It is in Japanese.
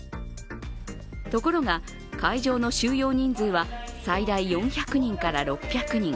ところが、会場の収容人数は最大４００人から６００人。